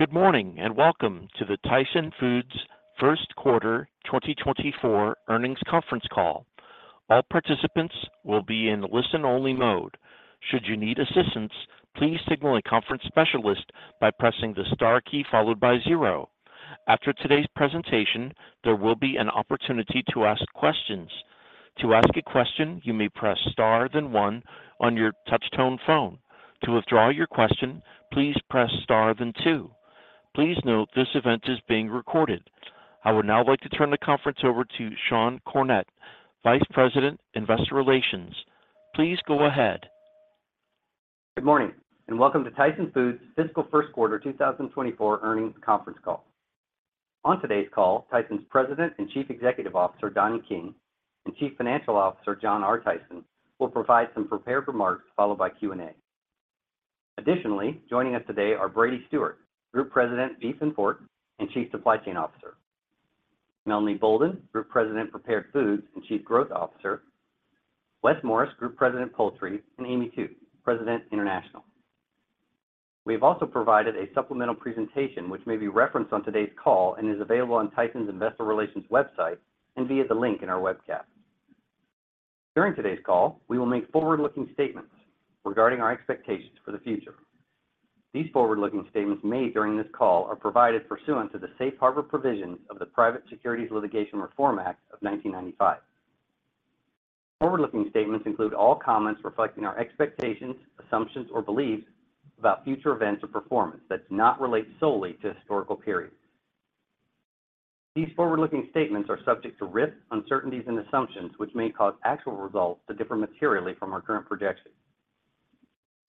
Good morning, and welcome to the Tyson Foods first quarter 2024 earnings conference call. All participants will be in listen-only mode. Should you need assistance, please signal a conference specialist by pressing the star key followed by zero. After today's presentation, there will be an opportunity to ask questions. To ask a question, you may press star then one on your touch-tone phone. To withdraw your question, please press star, then two. Please note, this event is being recorded. I would now like to turn the conference over to Sean Cornett, Vice President, Investor Relations. Please go ahead. Good morning, and welcome to Tyson Foods' Fiscal first quarter 2024 earnings conference call. On today's call, Tyson's President and Chief Executive Officer, Donnie King, and Chief Financial Officer, John R. Tyson, will provide some prepared remarks, followed by Q&A. Additionally, joining us today are Brady Stewart, Group President, Beef and Pork, and Chief Supply Chain Officer; Melanie Boulden, Group President, Prepared Foods, and Chief Growth Officer; Wes Morris, Group President, Poultry; and Amy Tu, President, International. We have also provided a supplemental presentation which may be referenced on today's call and is available on Tyson's Investor Relations website and via the link in our webcast. During today's call, we will make forward-looking statements regarding our expectations for the future. These forward-looking statements made during this call are provided pursuant to the Safe Harbor Provisions of the Private Securities Litigation Reform Act of 1995. Forward-looking statements include all comments reflecting our expectations, assumptions, or beliefs about future events or performance that do not relate solely to historical periods. These forward-looking statements are subject to risks, uncertainties and assumptions which may cause actual results to differ materially from our current projections.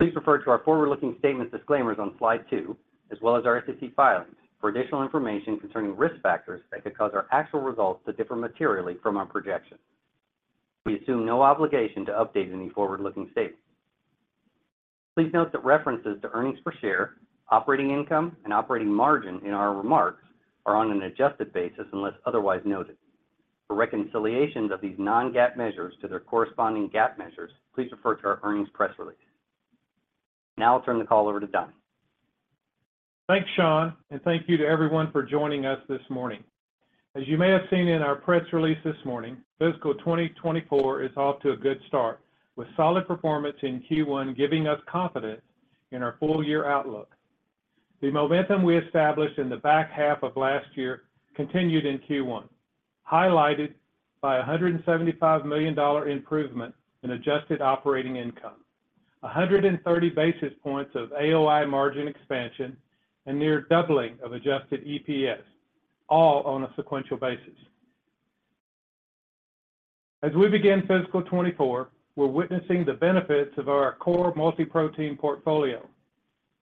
Please refer to our forward-looking statement disclaimers on slide two, as well as our SEC filings for additional information concerning risk factors that could cause our actual results to differ materially from our projections. We assume no obligation to update any forward-looking statements. Please note that references to earnings per share, operating income, and operating margin in our remarks are on an adjusted basis unless otherwise noted. For reconciliations of these non-GAAP measures to their corresponding GAAP measures, please refer to our earnings press release. Now I'll turn the call over to Donnie. Thanks, Sean, and thank you to everyone for joining us this morning. As you may have seen in our press release this morning, fiscal 2024 is off to a good start, with solid performance in Q1 giving us confidence in our full year outlook. The momentum we established in the back half of last year continued in Q1, highlighted by a $175 million improvement in adjusted operating income, 130 basis points of AOI margin expansion, and near doubling of adjusted EPS, all on a sequential basis. As we begin fiscal 2024, we're witnessing the benefits of our core multi-protein portfolio.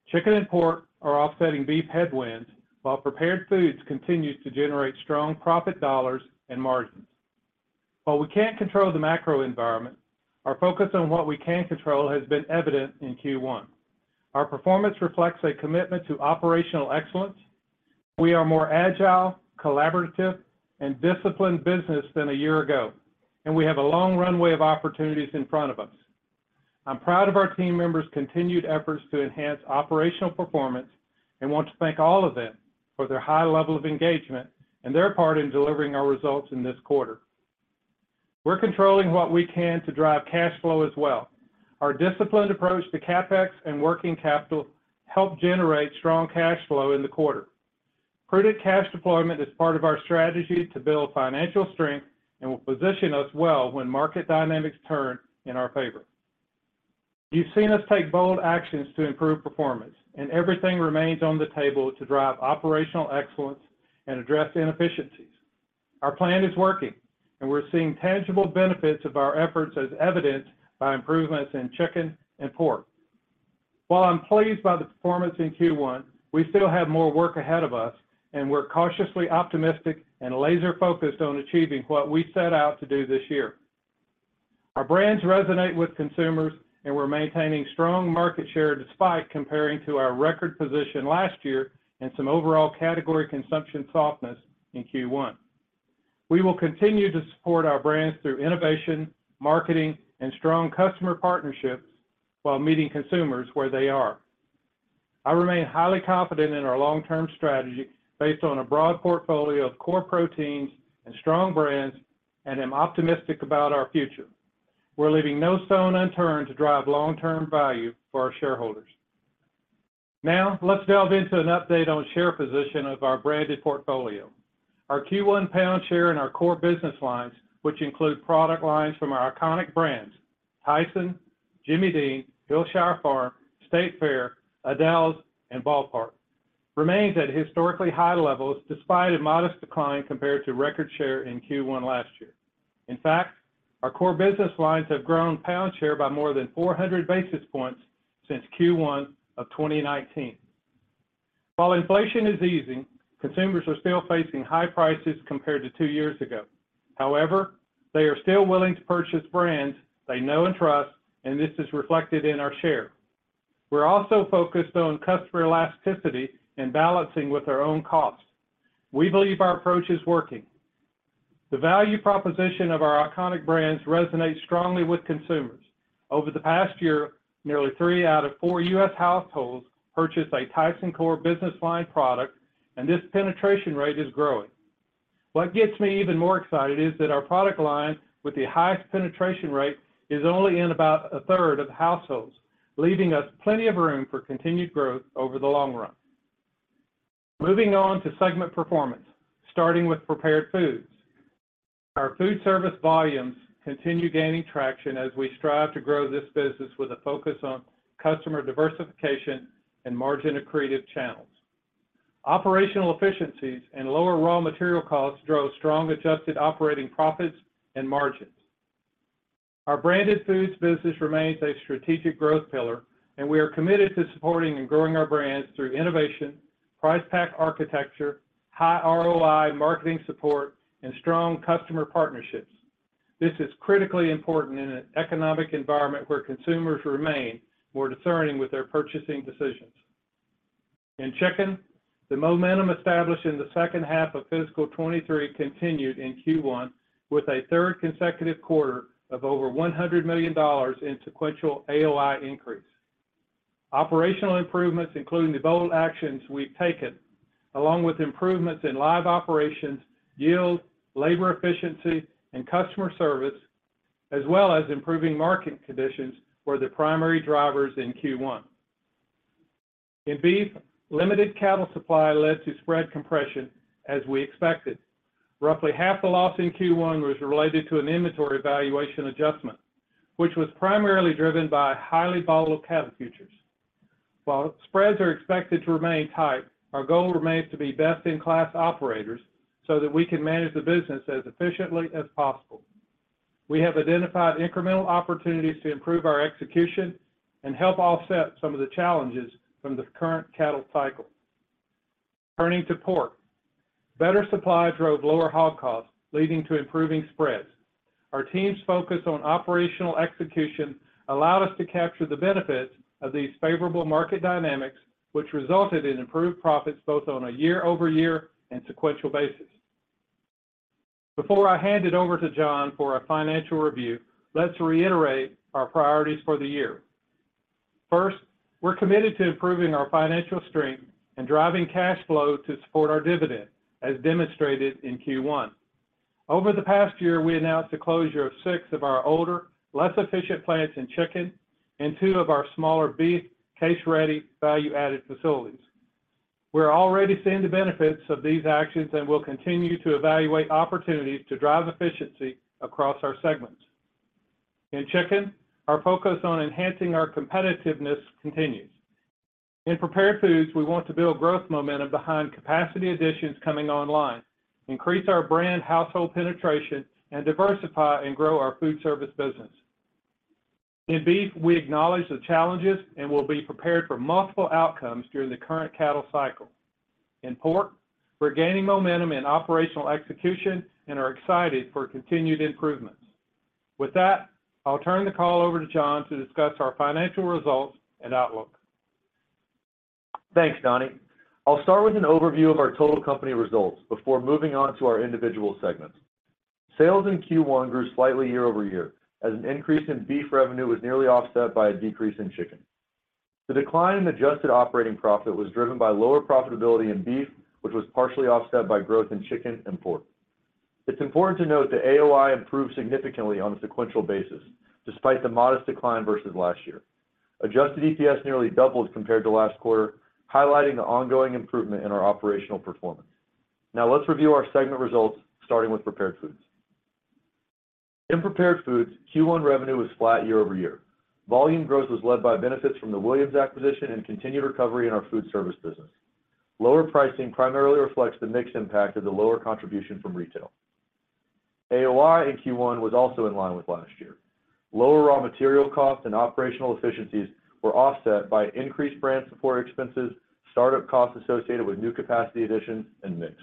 Chicken and pork are offsetting beef headwinds, while prepared foods continues to generate strong profit dollars and margins. While we can't control the macro environment, our focus on what we can control has been evident in Q1. Our performance reflects a commitment to operational excellence. We are a more agile, collaborative, and disciplined business than a year ago, and we have a long runway of opportunities in front of us. I'm proud of our team members' continued efforts to enhance operational performance and want to thank all of them for their high level of engagement and their part in delivering our results in this quarter. We're controlling what we can to drive cash flow as well. Our disciplined approach to CapEx and working capital helped generate strong cash flow in the quarter. Prudent cash deployment is part of our strategy to build financial strength and will position us well when market dynamics turn in our favor. You've seen us take bold actions to improve performance, and everything remains on the table to drive operational excellence and address inefficiencies. Our plan is working, and we're seeing tangible benefits of our efforts, as evidenced by improvements in chicken and pork. While I'm pleased by the performance in Q1, we still have more work ahead of us, and we're cautiously optimistic and laser-focused on achieving what we set out to do this year. Our brands resonate with consumers, and we're maintaining strong market share, despite comparing to our record position last year and some overall category consumption softness in Q1. We will continue to support our brands through innovation, marketing, and strong customer partnerships while meeting consumers where they are. I remain highly confident in our long-term strategy based on a broad portfolio of core proteins and strong brands, and am optimistic about our future. We're leaving no stone unturned to drive long-term value for our shareholders. Now, let's delve into an update on share position of our branded portfolio. Our Q1 pound share in our core business lines, which include product lines from our iconic brands, Tyson, Jimmy Dean, Hillshire Farm, State Fair, Aidells, and Ball Park, remains at historically high levels despite a modest decline compared to record share in Q1 last year. In fact, our core business lines have grown pound share by more than 400 basis points since Q1 of 2019. While inflation is easing, consumers are still facing high prices compared to two years ago. However, they are still willing to purchase brands they know and trust, and this is reflected in our share. We're also focused on customer elasticity and balancing with our own costs. We believe our approach is working. The value proposition of our iconic brands resonates strongly with consumers. Over the past year, nearly three out of four U.S. households purchased a Tyson core business line product, and this penetration rate is growing. What gets me even more excited is that our product line with the highest penetration rate is only in about a third of households, leaving us plenty of room for continued growth over the long run. Moving on to segment performance, starting with prepared foods. Our food service volumes continue gaining traction as we strive to grow this business with a focus on customer diversification and margin-accretive channels. Operational efficiencies and lower raw material costs drove strong adjusted operating profits and margins. Our branded foods business remains a strategic growth pillar, and we are committed to supporting and growing our brands through innovation, price pack architecture, high ROI marketing support, and strong customer partnerships. This is critically important in an economic environment where consumers remain more discerning with their purchasing decisions. In chicken, the momentum established in the second half of fiscal 2023 continued in Q1, with a third consecutive quarter of over $100 million in sequential AOI increase. Operational improvements, including the bold actions we've taken, along with improvements in live operations, yield, labor efficiency, and customer service, as well as improving market conditions, were the primary drivers in Q1. In beef, limited cattle supply led to spread compression, as we expected. Roughly half the loss in Q1 was related to an inventory valuation adjustment, which was primarily driven by highly volatile cattle futures. While spreads are expected to remain tight, our goal remains to be best-in-class operators so that we can manage the business as efficiently as possible. We have identified incremental opportunities to improve our execution and help offset some of the challenges from the current cattle cycle. Turning to pork. Better supply drove lower hog costs, leading to improving spreads. Our team's focus on operational execution allowed us to capture the benefits of these favorable market dynamics, which resulted in improved profits both on a year-over-year and sequential basis. Before I hand it over to John for a financial review, let's reiterate our priorities for the year. First, we're committed to improving our financial strength and driving cash flow to support our dividend, as demonstrated in Q1. Over the past year, we announced the closure of six of our older, less efficient plants in chicken and two of our smaller beef, case-ready, value-added facilities. We're already seeing the benefits of these actions and will continue to evaluate opportunities to drive efficiency across our segments. In chicken, our focus on enhancing our competitiveness continues. In prepared foods, we want to build growth momentum behind capacity additions coming online, increase our brand household penetration, and diversify and grow our food service business. In beef, we acknowledge the challenges and will be prepared for multiple outcomes during the current cattle cycle. In pork, we're gaining momentum in operational execution and are excited for continued improvements. With that, I'll turn the call over to John to discuss our financial results and outlook. Thanks, Donnie. I'll start with an overview of our total company results before moving on to our individual segments. Sales in Q1 grew slightly year-over-year, as an increase in beef revenue was nearly offset by a decrease in chicken. The decline in adjusted operating profit was driven by lower profitability in beef, which was partially offset by growth in chicken and pork. It's important to note that AOI improved significantly on a sequential basis, despite the modest decline versus last year. Adjusted EPS nearly doubled compared to last quarter, highlighting the ongoing improvement in our operational performance. Now let's review our segment results, starting with prepared foods. In prepared foods, Q1 revenue was flat year-over-year. Volume growth was led by benefits from the Williams acquisition and continued recovery in our food service business. Lower pricing primarily reflects the mix impact of the lower contribution from retail. AOI in Q1 was also in line with last year. Lower raw material costs and operational efficiencies were offset by increased brand support expenses, startup costs associated with new capacity additions, and mix.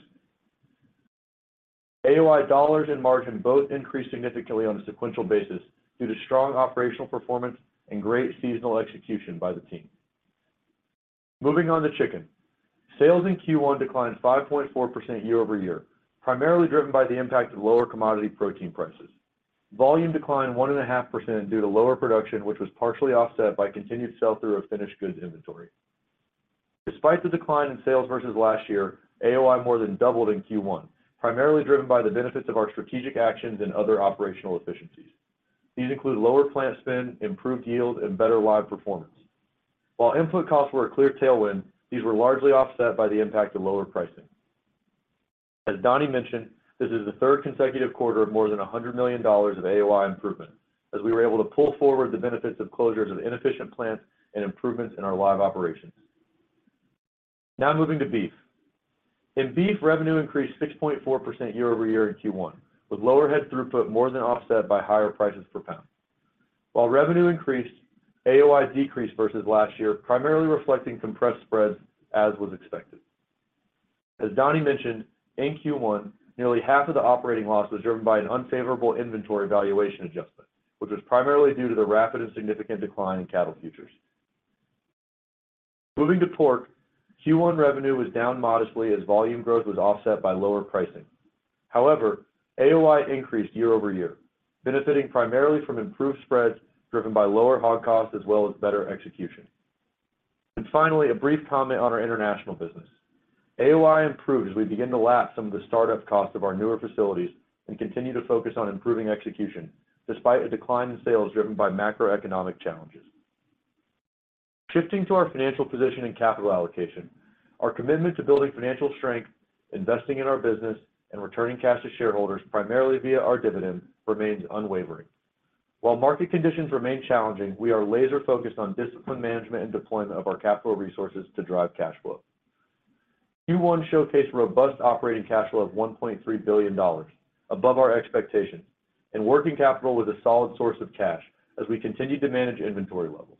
AOI dollars and margin both increased significantly on a sequential basis due to strong operational performance and great seasonal execution by the team. Moving on to chicken. Sales in Q1 declined 5.4% year-over-year, primarily driven by the impact of lower commodity protein prices. Volume declined 1.5% due to lower production, which was partially offset by continued sell-through of finished goods inventory. Despite the decline in sales versus last year, AOI more than doubled in Q1, primarily driven by the benefits of our strategic actions and other operational efficiencies. These include lower plant spend, improved yield, and better live performance. While input costs were a clear tailwind, these were largely offset by the impact of lower pricing. As Donnie mentioned, this is the third consecutive quarter of more than $100 million of AOI improvement, as we were able to pull forward the benefits of closures of inefficient plants and improvements in our live operations. Now moving to beef. In beef, revenue increased 6.4% year-over-year in Q1, with lower head throughput more than offset by higher prices per pound. While revenue increased, AOI decreased versus last year, primarily reflecting compressed spreads, as was expected. As Donnie mentioned, in Q1, nearly half of the operating loss was driven by an unfavorable inventory valuation adjustment, which was primarily due to the rapid and significant decline in cattle futures. Moving to pork, Q1 revenue was down modestly as volume growth was offset by lower pricing. However, AOI increased year-over-year, benefiting primarily from improved spreads driven by lower hog costs as well as better execution. Finally, a brief comment on our international business. AOI improved as we begin to lap some of the start-up costs of our newer facilities and continue to focus on improving execution, despite a decline in sales driven by macroeconomic challenges. Shifting to our financial position and capital allocation, our commitment to building financial strength, investing in our business, and returning cash to shareholders, primarily via our dividend, remains unwavering. While market conditions remain challenging, we are laser focused on disciplined management and deployment of our capital resources to drive cash flow. Q1 showcased robust operating cash flow of $1.3 billion, above our expectations, and working capital was a solid source of cash as we continued to manage inventory levels.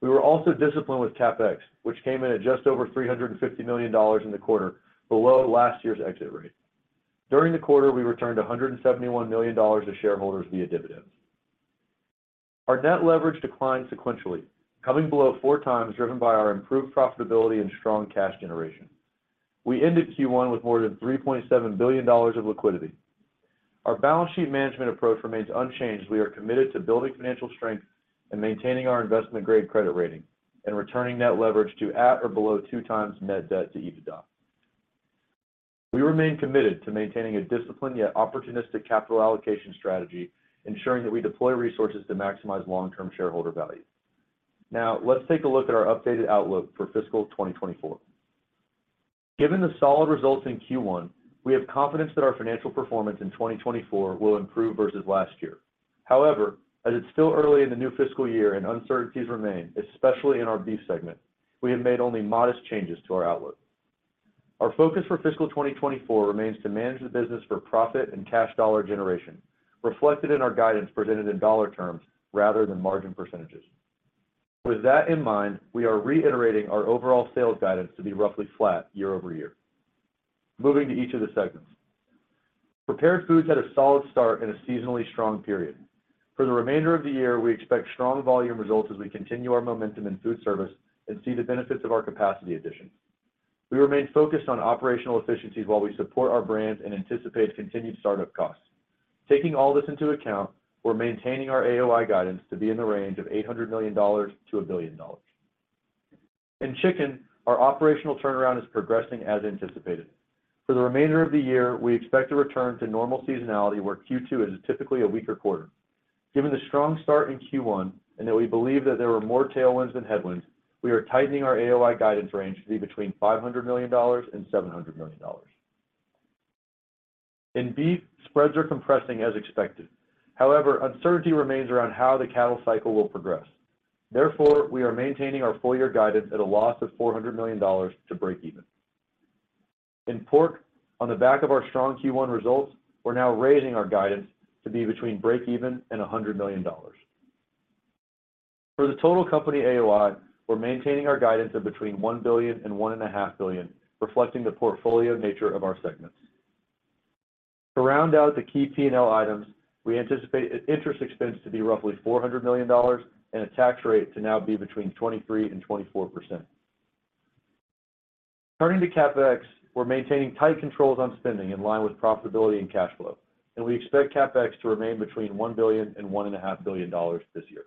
We were also disciplined with CapEx, which came in at just over $350 million in the quarter, below last year's exit rate. During the quarter, we returned $171 million to shareholders via dividends. Our net leverage declined sequentially, coming below four times, driven by our improved profitability and strong cash generation. We ended Q1 with more than $3.7 billion of liquidity. Our balance sheet management approach remains unchanged, as we are committed to building financial strength and maintaining our investment-grade credit rating and returning net leverage to at or below two times net debt to EBITDA. We remain committed to maintaining a disciplined yet opportunistic capital allocation strategy, ensuring that we deploy resources to maximize long-term shareholder value. Now, let's take a look at our updated outlook for fiscal 2024. Given the solid results in Q1, we have confidence that our financial performance in 2024 will improve versus last year. However, as it's still early in the new fiscal year and uncertainties remain, especially in our beef segment, we have made only modest changes to our outlook. Our focus for fiscal 2024 remains to manage the business for profit and cash dollar generation, reflected in our guidance presented in dollar terms rather than margin percentages. With that in mind, we are reiterating our overall sales guidance to be roughly flat year-over-year. Moving to each of the segments. Prepared Foods had a solid start in a seasonally strong period. For the remainder of the year, we expect strong volume results as we continue our momentum in food service and see the benefits of our capacity additions. We remain focused on operational efficiencies while we support our brands and anticipate continued start-up costs. Taking all this into account, we're maintaining our AOI guidance to be in the range of $800 million-$1 billion. In chicken, our operational turnaround is progressing as anticipated. For the remainder of the year, we expect a return to normal seasonality, where Q2 is typically a weaker quarter. Given the strong start in Q1, and that we believe that there were more tailwinds than headwinds, we are tightening our AOI guidance range to be between $500 million and $700 million. In beef, spreads are compressing as expected. However, uncertainty remains around how the cattle cycle will progress. Therefore, we are maintaining our full year guidance at a loss of $400 million to breakeven. In pork, on the back of our strong Q1 results, we're now raising our guidance to be between breakeven and $100 million. For the total company AOI, we're maintaining our guidance of between $1 billion and $1.5 billion, reflecting the portfolio nature of our segments. To round out the key P&L items, we anticipate interest expense to be roughly $400 million and a tax rate to now be between 23% and 24%. Turning to CapEx, we're maintaining tight controls on spending in line with profitability and cash flow, and we expect CapEx to remain between $1 billion and $1.5 billion this year.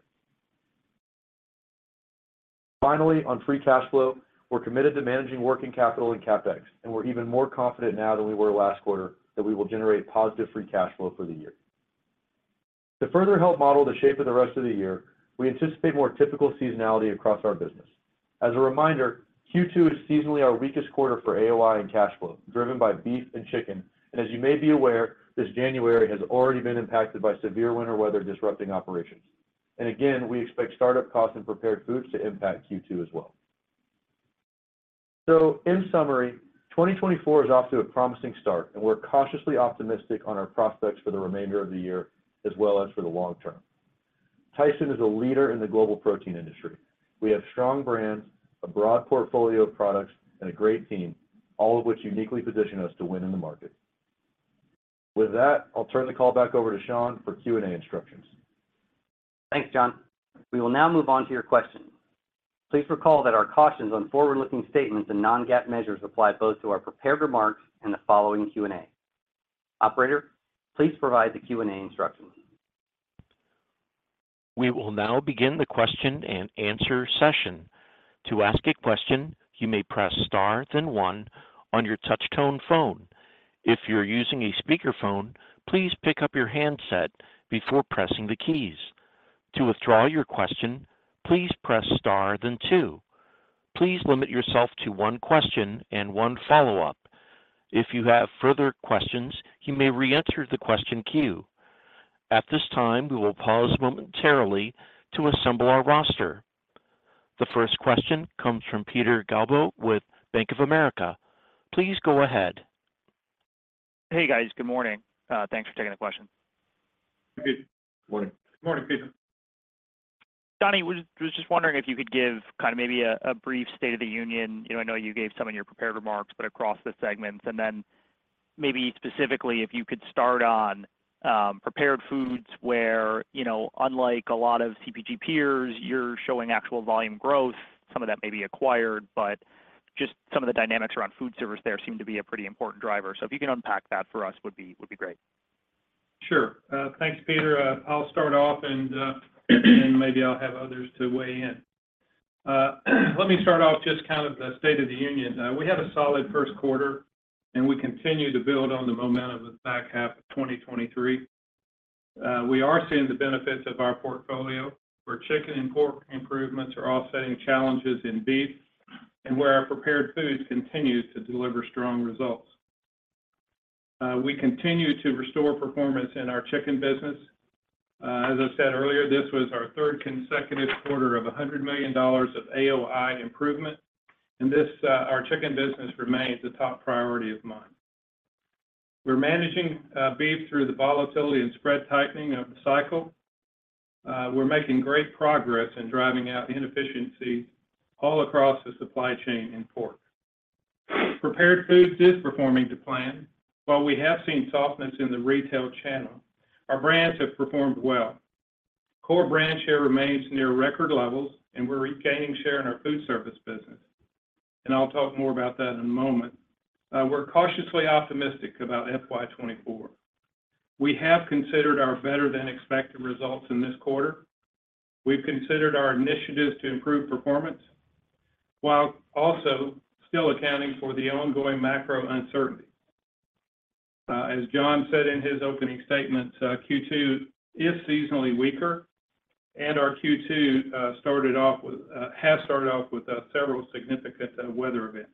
Finally, on free cash flow, we're committed to managing working capital and CapEx, and we're even more confident now than we were last quarter that we will generate positive free cash flow for the year. To further help model the shape of the rest of the year, we anticipate more typical seasonality across our business. As a reminder, Q2 is seasonally our weakest quarter for AOI and cash flow, driven by beef and chicken, and as you may be aware, this January has already been impacted by severe winter weather disrupting operations. Again, we expect start-up costs in prepared foods to impact Q2 as well. In summary, 2024 is off to a promising start, and we're cautiously optimistic on our prospects for the remainder of the year, as well as for the long term. Tyson is a leader in the global protein industry. We have strong brands, a broad portfolio of products, and a great team, all of which uniquely position us to win in the market. With that, I'll turn the call back over to Sean for Q&A instructions. Thanks, John. We will now move on to your questions. Please recall that our cautions on forward-looking statements and non-GAAP measures apply both to our prepared remarks and the following Q&A. Operator, please provide the Q&A instructions. We will now begin the question and answer session. To ask a question, you may press star, then one on your touchtone phone. If you're using a speakerphone, please pick up your handset before pressing the keys. To withdraw your question, please press star, then two. Please limit yourself to one question and one follow-up. If you have further questions, you may reenter the question queue. At this time, we will pause momentarily to assemble our roster. The first question comes from Peter Galbo with Bank of America. Please go ahead. Hey, guys. Good morning. Thanks for taking the question. Hey, Pete. Morning. Good morning, Peter. Donnie, I was just wondering if you could give kind of maybe a brief state of the union. You know, I know you gave some in your prepared remarks, but across the segments, and then maybe specifically, if you could start on prepared foods where, you know, unlike a lot of CPG peers, you're showing actual volume growth. Some of that may be acquired, but just some of the dynamics around food service there seem to be a pretty important driver. So if you can unpack that for us, would be great. Sure. Thanks, Peter. I'll start off, and maybe I'll have others to weigh in. Let me start off just kind of the state of the union. We had a solid first quarter, and we continue to build on the momentum of the back half of 2023. We are seeing the benefits of our portfolio, where chicken and pork improvements are offsetting challenges in beef, and where our prepared foods continue to deliver strong results. We continue to restore performance in our chicken business. As I said earlier, this was our third consecutive quarter of $100 million of AOI improvement, and this, our chicken business remains the top priority of mine. We're managing beef through the volatility and spread tightening of the cycle. We're making great progress in driving out inefficiency all across the supply chain in pork. Prepared foods is performing to plan. While we have seen softness in the retail channel, our brands have performed well. Core brand share remains near record levels, and we're regaining share in our food service business, and I'll talk more about that in a moment. We're cautiously optimistic about FY 2024. We have considered our better-than-expected results in this quarter. We've considered our initiatives to improve performance, while also still accounting for the ongoing macro uncertainty. As John said in his opening statement, Q2 is seasonally weaker, and our Q2 has started off with several significant weather events.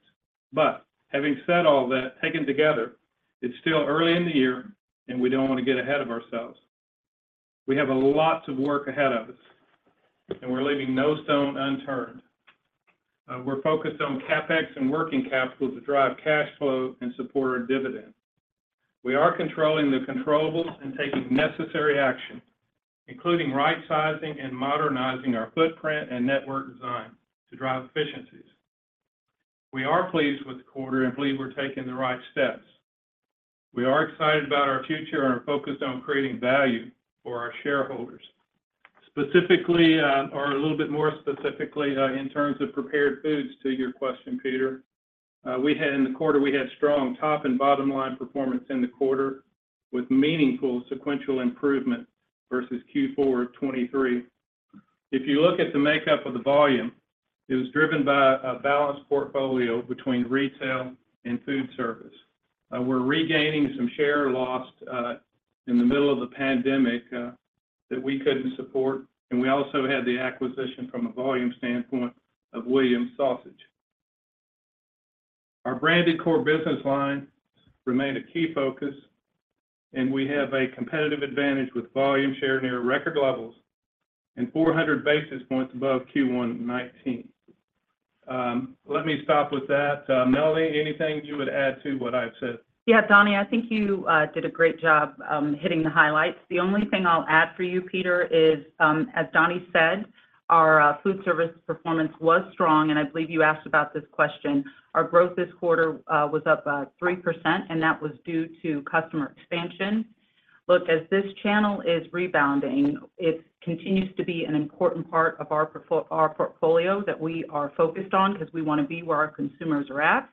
But having said all that, taken together, it's still early in the year, and we don't want to get ahead of ourselves. We have a lot of work ahead of us, and we're leaving no stone unturned. We're focused on CapEx and working capital to drive cash flow and support our dividend. We are controlling the controllables and taking necessary action, including right-sizing and modernizing our footprint and network design to drive efficiencies. We are pleased with the quarter and believe we're taking the right steps. We are excited about our future and are focused on creating value for our shareholders. Specifically, or a little bit more specifically, in terms of prepared foods, to your question, Peter, we had in the quarter, we had strong top and bottom-line performance in the quarter, with meaningful sequential improvement versus Q4 2023. If you look at the makeup of the volume, it was driven by a balanced portfolio between retail and food service. We're regaining some share lost in the middle of the pandemic that we couldn't support, and we also had the acquisition, from a volume standpoint, of Williams Sausage. Our branded core business lines remain a key focus, and we have a competitive advantage with volume share near record levels and 400 basis points above Q1 2019. Let me stop with that. Melanie, anything you would add to what I've said? Yeah, Donnie, I think you did a great job hitting the highlights. The only thing I'll add for you, Peter, is, as Donnie said, our food service performance was strong, and I believe you asked about this question. Our growth this quarter was up about 3%, and that was due to customer expansion. Look, as this channel is rebounding, it continues to be an important part of our portfolio that we are focused on because we want to be where our consumers are at,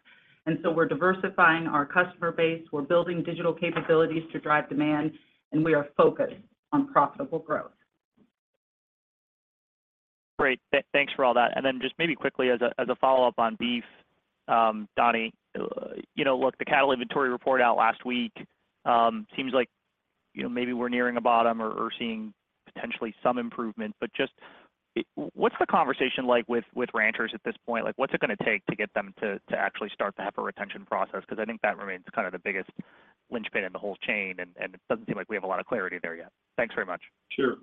and so we're diversifying our customer base, we're building digital capabilities to drive demand, and we are focused on profitable growth. Great. Thanks for all that. And then just maybe quickly, as a follow-up on beef, Donnie, you know, look, the cattle inventory report out last week seems like, you know, maybe we're nearing a bottom or seeing potentially some improvement. But just, what's the conversation like with ranchers at this point? Like, what's it gonna take to get them to actually start the heifer retention process? Because I think that remains kind of the biggest linchpin in the whole chain, and it doesn't seem like we have a lot of clarity there yet. Thanks very much. Sure.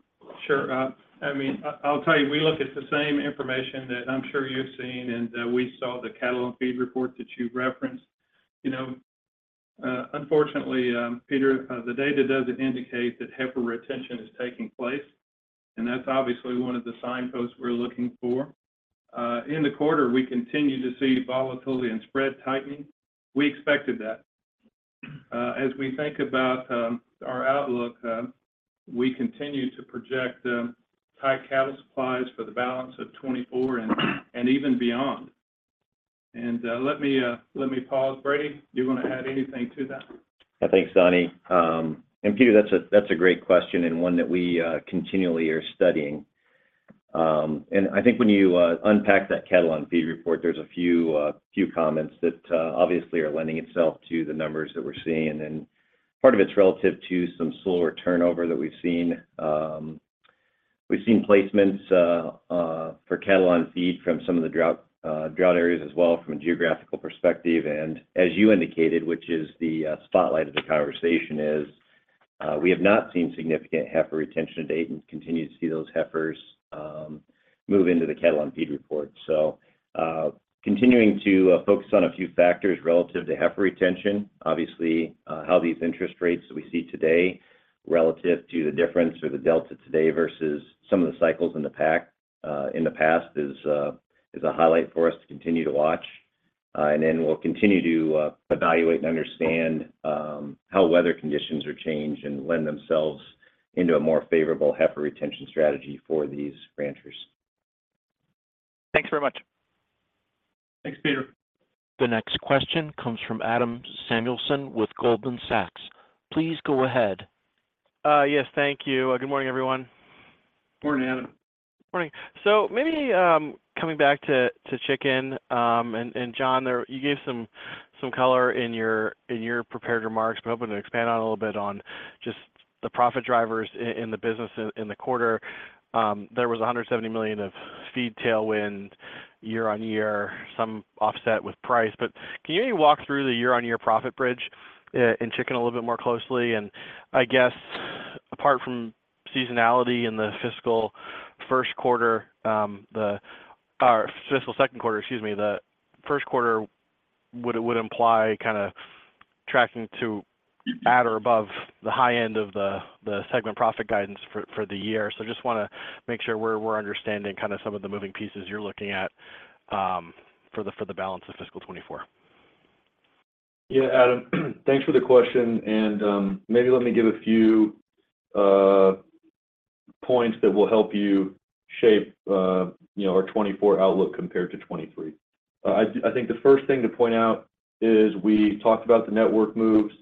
Sure. I mean, I'll tell you, we look at the same information that I'm sure you've seen, and we saw the cattle on feed report that you've referenced. You know, unfortunately, Peter, the data doesn't indicate that heifer retention is taking place, and that's obviously one of the signposts we're looking for. In the quarter, we continue to see volatility and spread tightening. We expected that. As we think about our outlook, we continue to project high cattle supplies for the balance of 2024 and even beyond. Let me pause. Brady, do you want to add anything to that? Thanks, Donnie. And Peter, that's a great question and one that we continually are studying. And I think when you unpack that cattle on feed report, there's a few comments that obviously are lending itself to the numbers that we're seeing. And part of it's relative to some slower turnover that we've seen. We've seen placements for cattle on feed from some of the drought areas as well, from a geographical perspective. And as you indicated, which is the spotlight of the conversation is, we have not seen significant heifer retention to date and continue to see those heifers move into the cattle on feed report. Continuing to focus on a few factors relative to heifer retention, obviously, how these interest rates that we see today relative to the difference or the delta today versus some of the cycles in the pack.... in the past is a highlight for us to continue to watch. And then we'll continue to evaluate and understand how weather conditions are changed and lend themselves into a more favorable heifer retention strategy for these ranchers. Thanks very much. Thanks, Peter. The next question comes from Adam Samuelson with Goldman Sachs. Please go ahead. Yes, thank you. Good morning, everyone. Morning, Adam. Morning. So maybe, coming back to chicken, and John, there, you gave some color in your prepared remarks, but hoping to expand on a little bit on just the profit drivers in the business in the quarter. There was $170 million of feed tailwind year-on-year, some offset with price, but can you walk through the year-on-year profit bridge in chicken a little bit more closely? And I guess apart from seasonality in the fiscal first quarter, or fiscal second quarter, excuse me, the first quarter would imply kinda tracking to at or above the high end of the segment profit guidance for the year. Just wanna make sure we're understanding kinda some of the moving pieces you're looking at, for the balance of fiscal 2024. Yeah, Adam, thanks for the question, and maybe let me give a few points that will help you shape, you know, our 2024 outlook compared to 2023. I think the first thing to point out is we talked about the network moves,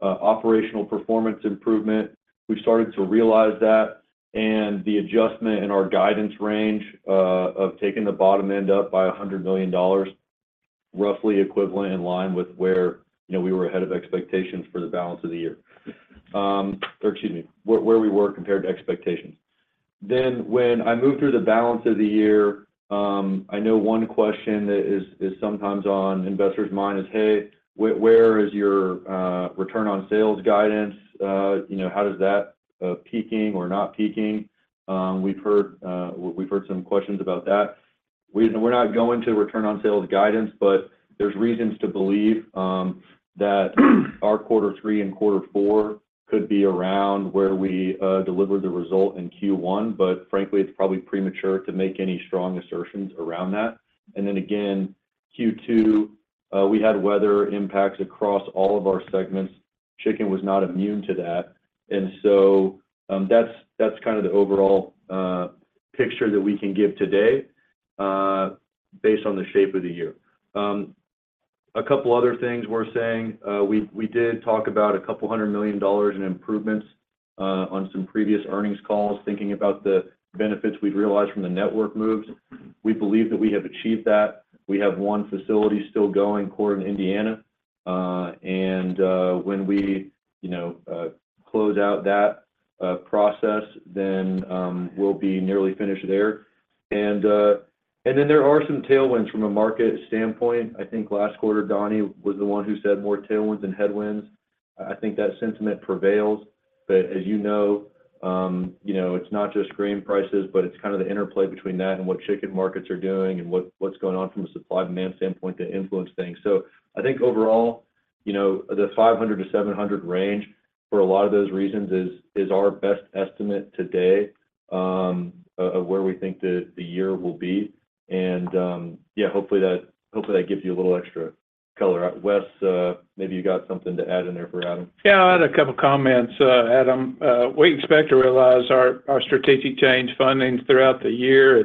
operational performance improvement. We've started to realize that, and the adjustment in our guidance range of taking the bottom end up by $100 million, roughly equivalent in line with where, you know, we were ahead of expectations for the balance of the year. Or excuse me, where we were compared to expectations. Then when I moved through the balance of the year, I know one question that is sometimes on investors' mind is: "Hey, where is your return on sales guidance? You know, how does that peaking or not peaking? We've heard, we've heard some questions about that. We're not going to return on sales guidance, but there's reasons to believe that our quarter three and quarter four could be around where we delivered the result in Q1, but frankly, it's probably premature to make any strong assertions around that. And then again, Q2, we had weather impacts across all of our segments. Chicken was not immune to that. And so, that's, that's kind of the overall picture that we can give today, based on the shape of the year. A couple other things we're saying, we did talk about $200 million in improvements on some previous earnings calls, thinking about the benefits we'd realized from the network moves. We believe that we have achieved that. We have one facility still going, Corydon, Indiana. And when we, you know, close out that process, then we'll be nearly finished there. And then there are some tailwinds from a market standpoint. I think last quarter, Donnie was the one who said more tailwinds than headwinds. I think that sentiment prevails, but as you know, you know, it's not just grain prices, but it's kinda the interplay between that and what chicken markets are doing and what's going on from a supply and demand standpoint to influence things. So I think overall, you know, the $500-$700 range for a lot of those reasons is our best estimate today of where we think the year will be. Yeah, hopefully that gives you a little extra color. Wes, maybe you got something to add in there for Adam. Yeah, I had a couple of comments, Adam. We expect to realize our our strategic change fundings throughout the year.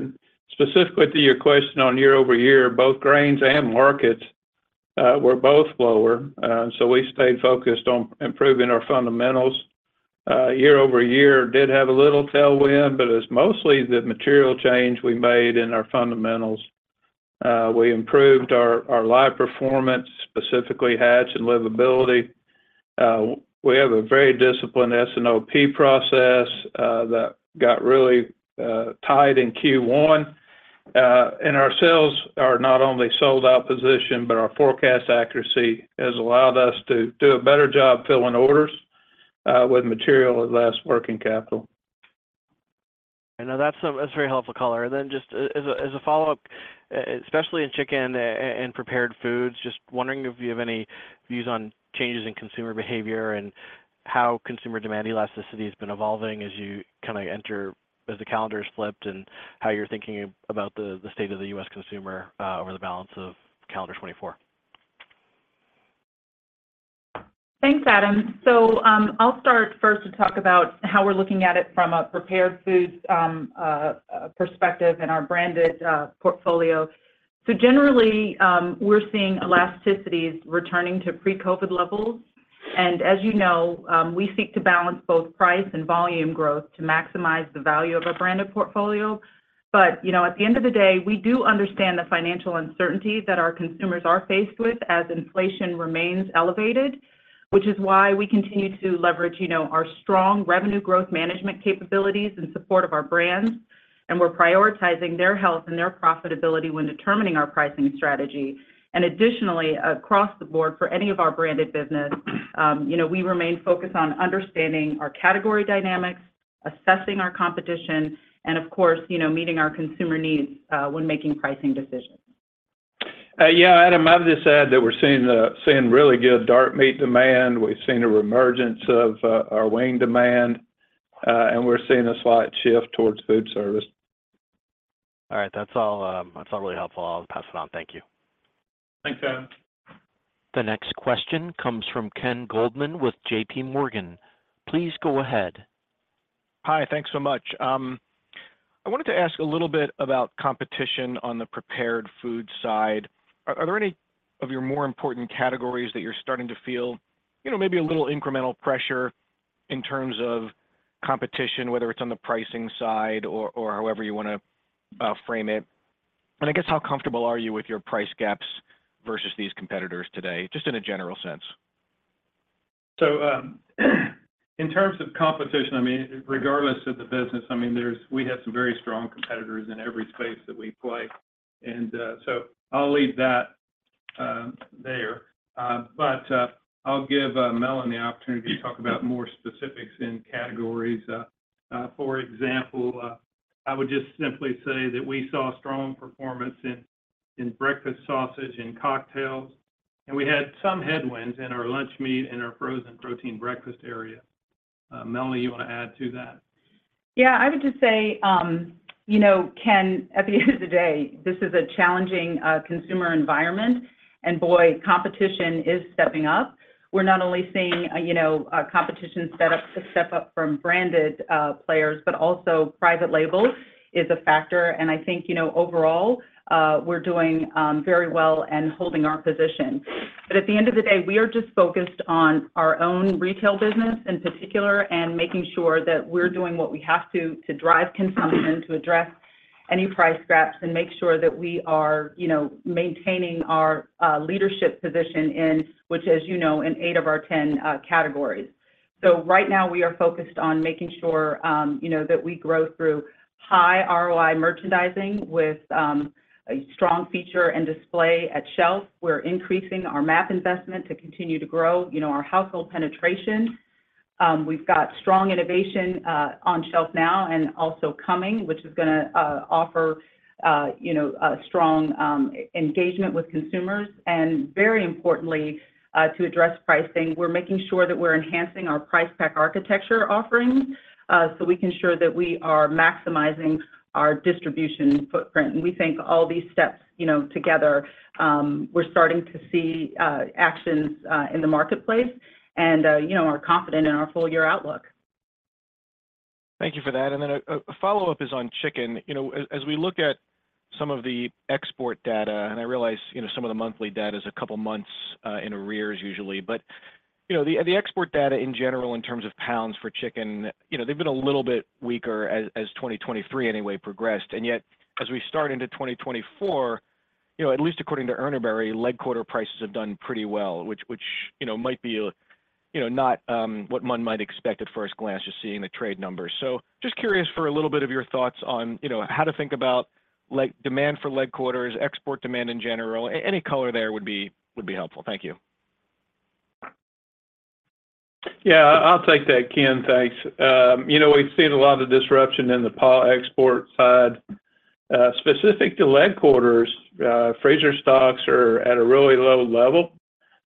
Specifically to your question on year over year, both grains and markets were both lower. So we stayed focused on improving our fundamentals. Year over year did have a little tailwind, but it's mostly the material change we made in our fundamentals. We improved our our live performance, specifically hatch and livability. We have a very disciplined S&OP process that got really tied in Q1. Our sales are not only sold-out position, but our forecast accuracy has allowed us to do a better job filling orders with material and less working capital. I know that's a very helpful color. And then just as a follow-up, especially in chicken and prepared foods, just wondering if you have any views on changes in consumer behavior and how consumer demand elasticity has been evolving as you kinda enter, as the calendar is flipped, and how you're thinking about the state of the U.S. consumer over the balance of calendar 2024. Thanks, Adam. So, I'll start first to talk about how we're looking at it from a Prepared Foods perspective and our branded portfolio. So generally, we're seeing elasticities returning to pre-COVID levels. And as you know, we seek to balance both price and volume growth to maximize the value of our branded portfolio. But, you know, at the end of the day, we do understand the financial uncertainty that our consumers are faced with as inflation remains elevated, which is why we continue to leverage, you know, our strong revenue growth management capabilities in support of our brands, and we're prioritizing their health and their profitability when determining our pricing strategy. Additionally, across the board, for any of our branded business, you know, we remain focused on understanding our category dynamics, assessing our competition, and of course, you know, meeting our consumer needs, when making pricing decisions. ... Yeah, Adam, I would just add that we're seeing really good dark meat demand. We've seen a reemergence of our wing demand, and we're seeing a slight shift towards food service. All right. That's all, that's all really helpful. I'll pass it on. Thank you. Thanks, Adam. The next question comes from Ken Goldman with JPMorgan. Please go ahead. Hi. Thanks so much. I wanted to ask a little bit about competition on the prepared food side. Are there any of your more important categories that you're starting to feel, you know, maybe a little incremental pressure in terms of competition, whether it's on the pricing side or however you want to frame it? And I guess, how comfortable are you with your price gaps versus these competitors today, just in a general sense? So, in terms of competition, I mean, regardless of the business, I mean, we have some very strong competitors in every space that we play. So I'll leave that there. But, I'll give Melanie the opportunity to talk about more specifics in categories. For example, I would just simply say that we saw strong performance in breakfast sausage and cocktails, and we had some headwinds in our lunch meat and our frozen protein breakfast area. Melanie, you want to add to that? Yeah, I would just say, you know, Ken, at the end of the day, this is a challenging consumer environment, and boy, competition is stepping up. We're not only seeing, you know, competition step up, step up from branded players, but also private label is a factor. And I think, you know, overall, we're doing very well and holding our position. But at the end of the day, we are just focused on our own retail business in particular and making sure that we're doing what we have to, to drive consumption, to address any price gaps, and make sure that we are, you know, maintaining our leadership position in, which, as you know, in eight of our 10 categories. So right now, we are focused on making sure, you know, that we grow through high ROI merchandising with a strong feature and display at shelf. We're increasing our media investment to continue to grow, you know, our household penetration. We've got strong innovation on shelf now and also coming, which is gonna, you know, a strong engagement with consumers. And very importantly, to address pricing, we're making sure that we're enhancing our price pack architecture offerings so we can ensure that we are maximizing our distribution footprint. And we think all these steps, you know, together, we're starting to see actions in the marketplace and, you know, are confident in our full year outlook. Thank you for that. Then a follow-up is on chicken. You know, as we look at some of the export data, and I realize, you know, some of the monthly data is a couple months in arrears usually, but, you know, the export data in general, in terms of pounds for chicken, you know, they've been a little bit weaker as 2023 anyway progressed. And yet, as we start into 2024, you know, at least according to Urner Barry, leg quarter prices have done pretty well, which, you know, might be, you know, not what one might expect at first glance just seeing the trade numbers. So just curious for a little bit of your thoughts on, you know, how to think about leg quarters demand for leg quarters, export demand in general. Any color there would be helpful. Thank you. Yeah, I'll take that, Ken. Thanks. You know, we've seen a lot of disruption in the paw export side. Specific to leg quarters, freezer stocks are at a really low level,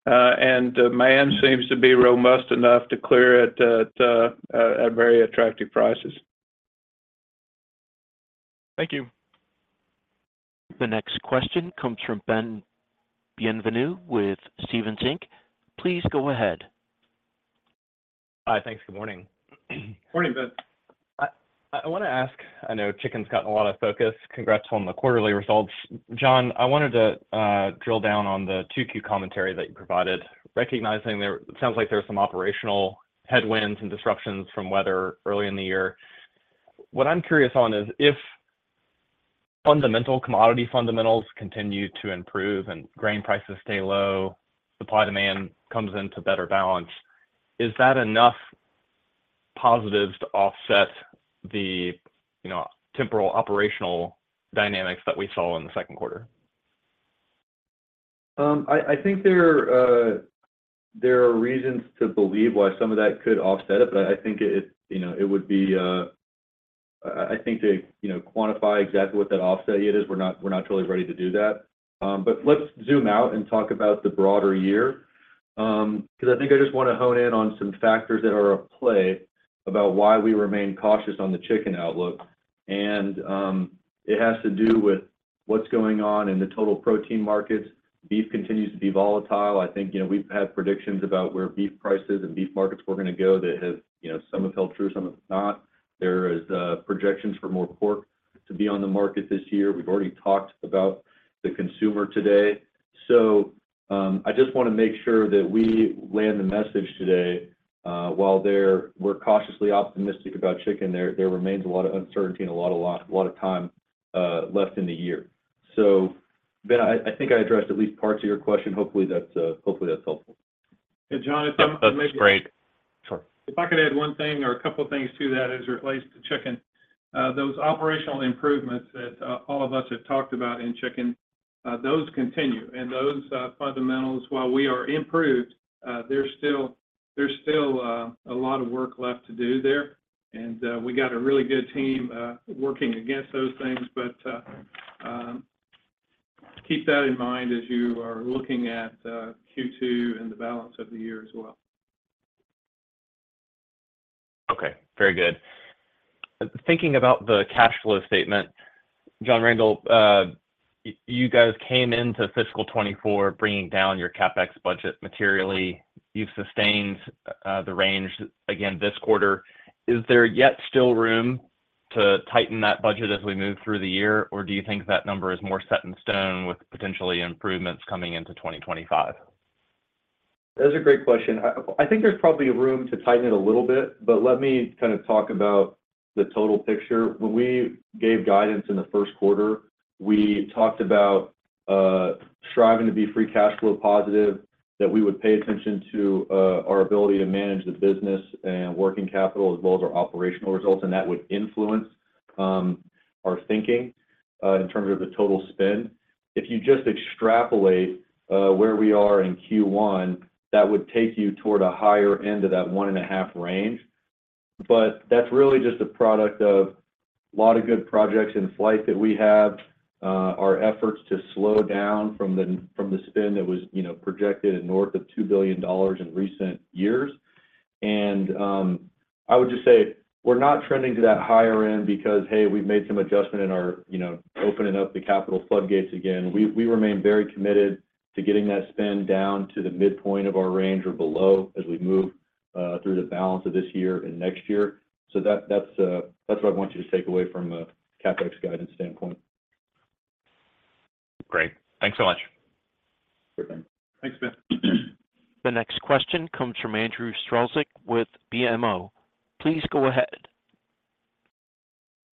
and demand seems to be robust enough to clear it at very attractive prices. Thank you. The next question comes from Ben Bienvenu with Stephens Inc. Please go ahead. Hi. Thanks. Good morning. Morning, Ben. I want to ask, I know chicken's gotten a lot of focus. Congrats on the quarterly results. John, I wanted to drill down on the 2Q commentary that you provided, recognizing there, it sounds like there are some operational headwinds and disruptions from weather early in the year. What I'm curious on is, if fundamental commodity fundamentals continue to improve and grain prices stay low, supply-demand comes into better balance, is that enough positives to offset the, you know, temporal operational dynamics that we saw in the second quarter? I, I think there are, there are reasons to believe why some of that could offset it, but I think it, you know, it would be... I, I think to, you know, quantify exactly what that offset yet is, we're not, we're not totally ready to do that. But let's zoom out and talk about the broader year, because I think I just want to hone in on some factors that are at play about why we remain cautious on the chicken outlook. It has to do with what's going on in the total protein markets. Beef continues to be volatile. I think, you know, we've had predictions about where beef prices and beef markets were going to go that have, you know, some have held true, some have not. There are projections for more pork to be on the market this year. We've already talked about the consumer today. So, I just want to make sure that we land the message today. While we're cautiously optimistic about chicken, there remains a lot of uncertainty and a lot of time left in the year. So Ben, I think I addressed at least parts of your question. Hopefully, that's helpful. And John, if I may- That's great. Sure. If I could add one thing or a couple of things to that as it relates to chicken. Those operational improvements that all of us have talked about in chicken continue. And those fundamentals, while we are improved, there's still a lot of work left to do there. And we got a really good team working against those things. But keep that in mind as you are looking at Q2 and the balance of the year as well. Okay, very good. Thinking about the cash flow statement, John R. Tyson, you guys came into fiscal 2024 bringing down your CapEx budget materially. You've sustained the range again this quarter. Is there yet still room to tighten that budget as we move through the year? Or do you think that number is more set in stone, with potentially improvements coming into 2025? That's a great question. I think there's probably room to tighten it a little bit, but let me kind of talk about the total picture. When we gave guidance in the first quarter, we talked about striving to be free cash flow positive, that we would pay attention to our ability to manage the business and working capital, as well as our operational results, and that would influence our thinking in terms of the total spend. If you just extrapolate where we are in Q1, that would take you toward a higher end of that 1.5 range. But that's really just a product of a lot of good projects in flight that we have, our efforts to slow down from the spend that was, you know, projected at north of $2 billion in recent years. I would just say we're not trending to that higher end because, hey, we've made some adjustment in our, you know, opening up the capital floodgates again. We, we remain very committed to getting that spend down to the midpoint of our range or below as we move through the balance of this year and next year. So that, that's what I want you to take away from a CapEx guidance standpoint. Great. Thanks so much. Sure thing. Thanks, Ben. The next question comes from Andrew Strelzik with BMO. Please go ahead.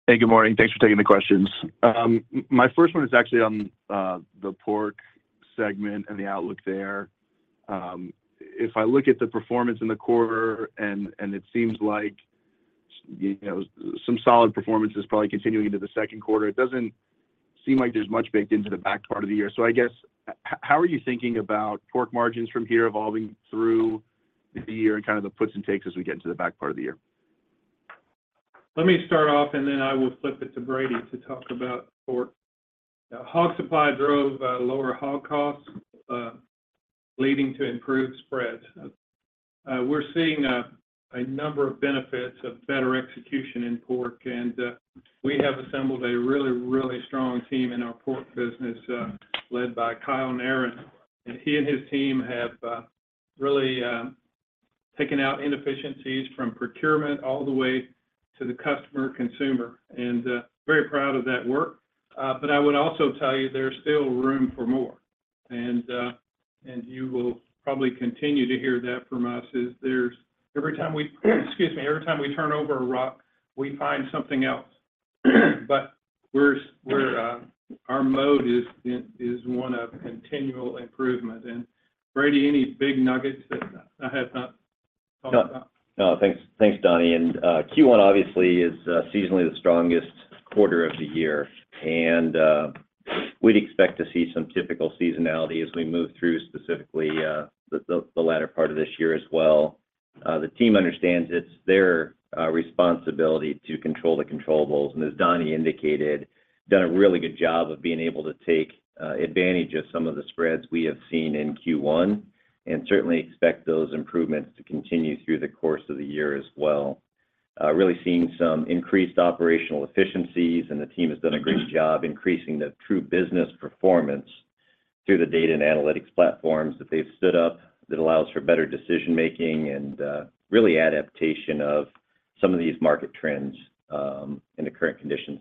Hey, good morning. Thanks for taking the questions. My first one is actually on the pork segment and the outlook there. If I look at the performance in the quarter, and it seems like, you know, some solid performance is probably continuing into the second quarter, it doesn't seem like there's much baked into the back part of the year. So I guess, how are you thinking about pork margins from here evolving through the year and kind of the puts and takes as we get into the back part of the year? Let me start off, and then I will flip it to Brady to talk about pork. Hog supply drove lower hog costs, leading to improved spreads. We're seeing a number of benefits of better execution in pork, and we have assembled a really, really strong team in our pork business, led by Kyle Narron. And he and his team have really taken out inefficiencies from procurement all the way to the customer consumer, and very proud of that work. But I would also tell you there's still room for more. And you will probably continue to hear that from us, is there's—every time we, excuse me, every time we turn over a rock, we find something else. But our mode is one of continual improvement. Brady, any big nuggets that I have not talked about? No. No, thanks, thanks, Donnie. And Q1 obviously is seasonally the strongest quarter of the year, and we'd expect to see some typical seasonality as we move through, specifically the latter part of this year as well. The team understands it's their responsibility to control the controllables, and as Donnie indicated, done a really good job of being able to take advantage of some of the spreads we have seen in Q1, and certainly expect those improvements to continue through the course of the year as well. Really seeing some increased operational efficiencies, and the team has done a great job increasing the true business performance through the data and analytics platforms that they've stood up, that allows for better decision making and really adaptation of some of these market trends in the current conditions.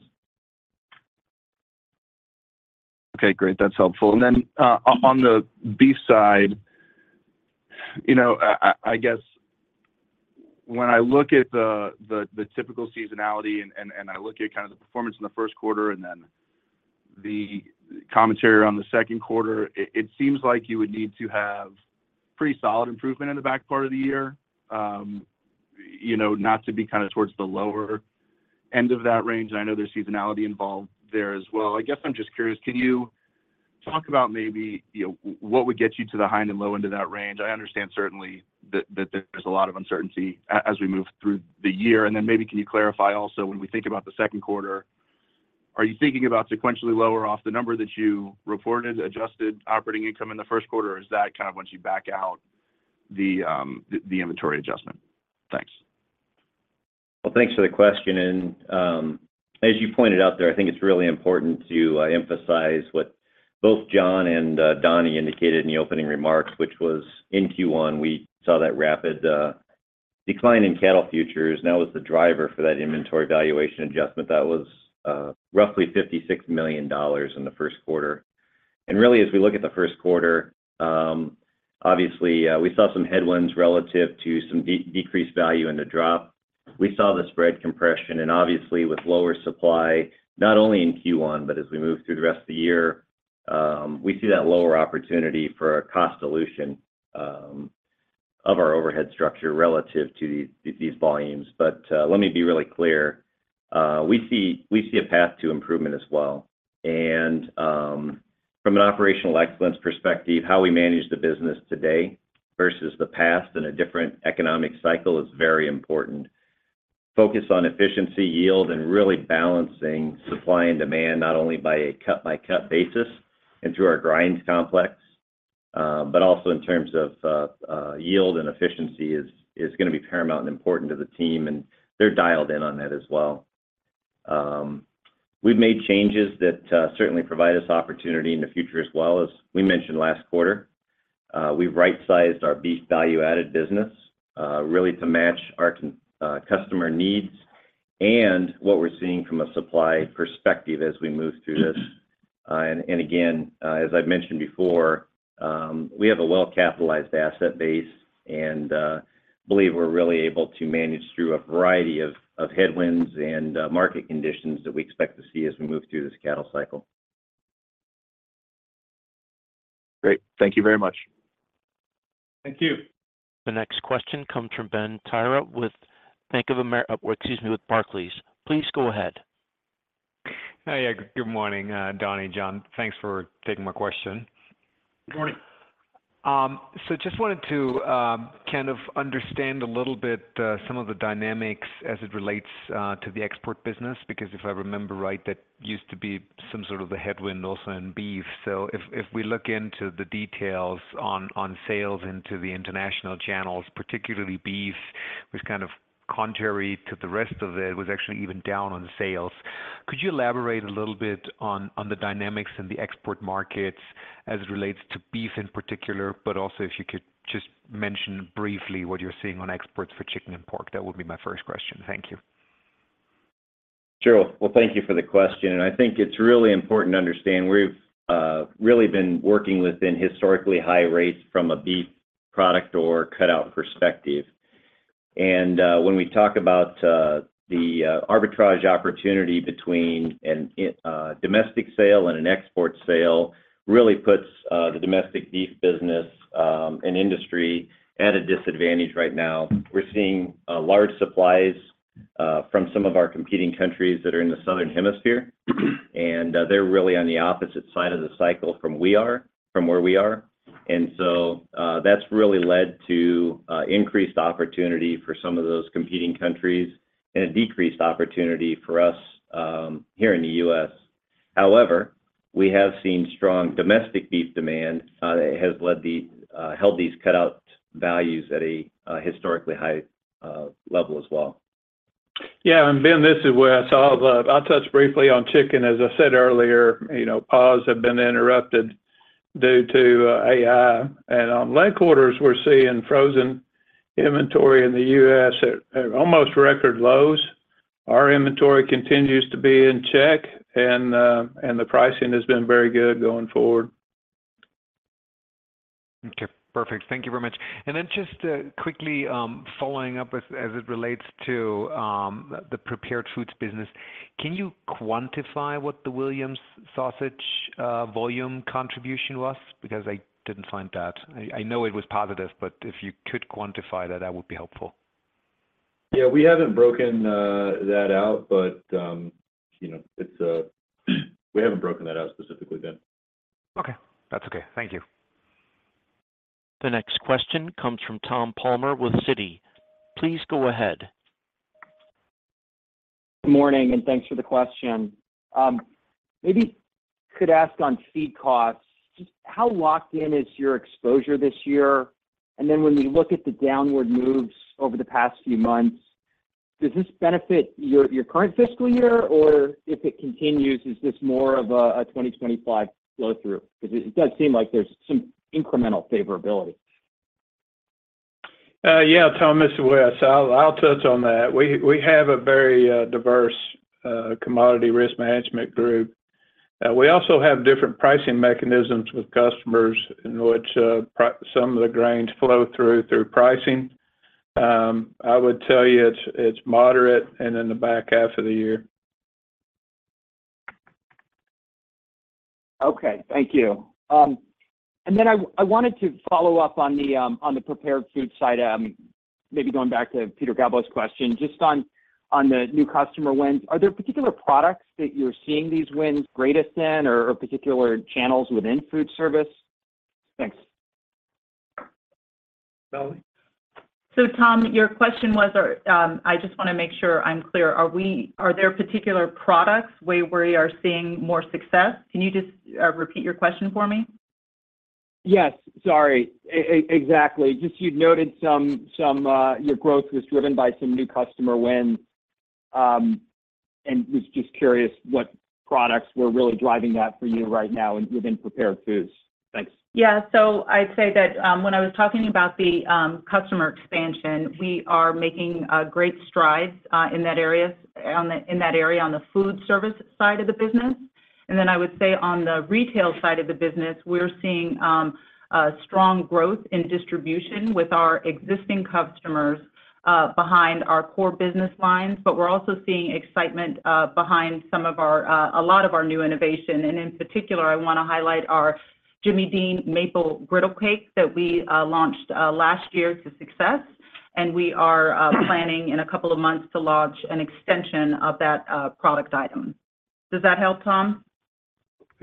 Okay, great. That's helpful. And then on the beef side, you know, I guess when I look at the typical seasonality and I look at kind of the performance in the first quarter and then the commentary on the second quarter, it seems like you would need to have pretty solid improvement in the back part of the year, you know, not to be kind of towards the lower end of that range. I know there's seasonality involved there as well. I guess I'm just curious, can you talk about maybe, you know, what would get you to the high and low end of that range? I understand certainly that there's a lot of uncertainty as we move through the year. And then maybe, can you clarify also, when we think about the second quarter, are you thinking about sequentially lower off the number that you reported adjusted operating income in the first quarter? Or is that kind of once you back out the the inventory adjustment? Thanks. Well, thanks for the question, and, as you pointed out there, I think it's really important to emphasize what both John and Donnie indicated in the opening remarks, which was in Q1, we saw that rapid decline in cattle futures. And that was the driver for that inventory valuation adjustment. That was roughly $56 million in the first quarter. And really, as we look at the first quarter, obviously, we saw some headwinds relative to some decreased value in the drop. We saw the spread compression and obviously with lower supply, not only in Q1, but as we move through the rest of the year, we see that lower opportunity for a cost dilution of our overhead structure relative to these, these volumes. But, let me be really clear-... We see a path to improvement as well. And from an operational excellence perspective, how we manage the business today versus the past in a different economic cycle is very important. Focus on efficiency, yield, and really balancing supply and demand, not only by a cut-by-cut basis and through our grind complex, but also in terms of yield and efficiency is going to be paramount and important to the team, and they're dialed in on that as well. We've made changes that certainly provide us opportunity in the future as well. As we mentioned last quarter, we've right-sized our beef value-added business, really to match our customer needs and what we're seeing from a supply perspective as we move through this. And again, as I've mentioned before, we have a well-capitalized asset base, and believe we're really able to manage through a variety of headwinds and market conditions that we expect to see as we move through this cattle cycle. Great. Thank you very much. Thank you. The next question comes from Ben Theurer with Bank of America, excuse me, with Barclays. Please go ahead. Hi, yeah, good morning, Donnie and John. Thanks for taking my question. Good morning. So just wanted to kind of understand a little bit some of the dynamics as it relates to the export business, because if I remember right, that used to be some sort of a headwind also in beef. So if we look into the details on sales into the international channels, particularly beef, which kind of contrary to the rest of it, was actually even down on sales. Could you elaborate a little bit on the dynamics in the export markets as it relates to beef in particular, but also if you could just mention briefly what you're seeing on exports for chicken and pork? That would be my first question. Thank you. Sure. Well, thank you for the question, and I think it's really important to understand we've really been working within historically high rates from a beef product or cutout perspective. And when we talk about the arbitrage opportunity between a domestic sale and an export sale, really puts the domestic beef business and industry at a disadvantage right now. We're seeing large supplies from some of our competing countries that are in the Southern Hemisphere, and they're really on the opposite side of the cycle from where we are. And so that's really led to increased opportunity for some of those competing countries and a decreased opportunity for us here in the U.S. However, we have seen strong domestic beef demand that has held these cutout values at a historically high level as well. Yeah, and Ben, this is Wes. I'll touch briefly on chicken. As I said earlier, you know, paws have been interrupted due to AI. And on leg quarters, we're seeing frozen inventory in the U.S. at almost record lows. Our inventory continues to be in check, and the pricing has been very good going forward. Okay, perfect. Thank you very much. And then just quickly following up as it relates to the prepared foods business, can you quantify what the Williams Sausage volume contribution was? Because I didn't find that. I know it was positive, but if you could quantify that, that would be helpful. Yeah. We haven't broken that out, but you know, it's we haven't broken that out specifically, Ben. Okay. That's okay. Thank you. The next question comes from Tom Palmer with Citi. Please go ahead. Good morning, and thanks for the question. Maybe could ask on feed costs, just how locked in is your exposure this year? And then when we look at the downward moves over the past few months, does this benefit your current fiscal year, or if it continues, is this more of a 2025 flow-through? Because it does seem like there's some incremental favorability. Yeah, Tom, this is Wes. I'll touch on that. We have a very diverse commodity risk management group. We also have different pricing mechanisms with customers in which some of the grains flow through pricing. I would tell you it's moderate and in the back half of the year. Okay. Thank you. And then I wanted to follow up on the prepared food side, maybe going back to Peter Galbo's question, just on the new customer wins. Are there particular products that you're seeing these wins greatest in or particular channels within food service? Thanks. Melanie? So Tom, your question was, or I just want to make sure I'm clear. Are there particular products where we are seeing more success? Can you just repeat your question for me? Yes, sorry. Exactly. Just you'd noted some your growth was driven by some new customer wins, and was just curious what products were really driving that for you right now within prepared foods? Thanks. Yeah. So I'd say that, when I was talking about the, customer expansion, we are making, great strides, in that area, on the food service side of the business. And then I would say on the retail side of the business, we're seeing, a strong growth in distribution with our existing customers, behind our core business lines. But we're also seeing excitement, behind some of our, a lot of our new innovation. And in particular, I want to highlight our Jimmy Dean Maple Griddle Cake that we, launched, last year to success, and we are, planning in a couple of months to launch an extension of that, product item. Does that help, Tom? ...